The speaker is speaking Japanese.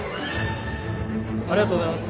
ありがとうございます。